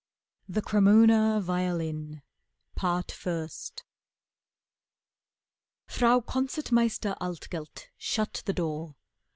The Cremona Violin Part First Frau Concert Meister Altgelt shut the door.